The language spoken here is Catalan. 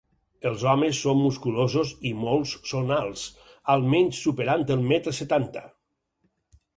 Els homes són musculosos i molts són alts, almenys superant el metre setanta.